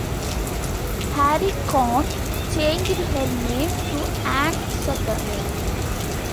Harry Cohn changed her name to Ann Sothern.